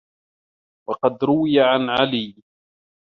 وَقَدْ رُوِيَ عَنْ عَلِيٍّ